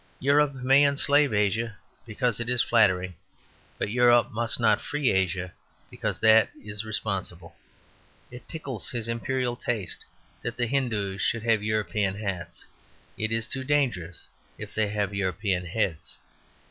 Europe may enslave Asia, because it is flattering: but Europe must not free Asia, because that is responsible. It tickles his Imperial taste that Hindoos should have European hats: it is too dangerous if they have European heads.